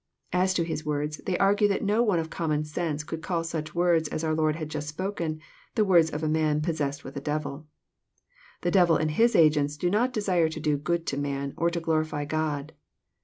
— As to His words, they argue that no one of common sense could call such words as our Lord had just spoken the words of a man possessed with a devil. The devil and his agents do not desire to do good to man, or to glorify God.